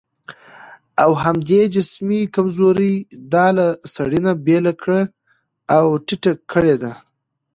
او همدې جسمي کمزورۍ دا له سړي نه بېله کړې او ټيټه کړې ده.